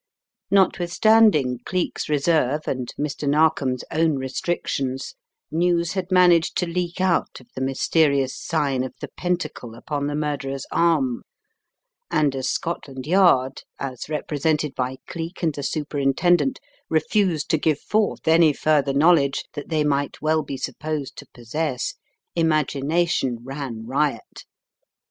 Notwithstanding Cleek's reserve, and Mr. NarkWs own restrictions, news had managed to leak out of the mysterious sign of the Pentacle upon the murderer's arm, and as Scot land Yard — as represented by Cleek and the Super intendent — refused to give forth any further knowl edge that they might well be supposed to possess, imagination ran riot.